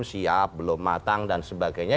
siap belum matang dan sebagainya